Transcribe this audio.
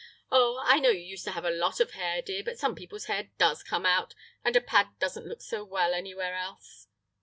Oh, I know you used to have a lot of hair, dear; but some people's hair does come out, and a pad doesn't look so well anywhere else....